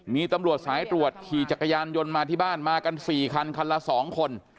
มีตำรวจสายตรวจขี่จักรยานยนต์มาที่บ้านมากัน๔คันคันละ๒คน